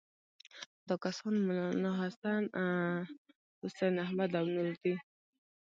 دا کسان مولناحسن، حسین احمد او نور دي.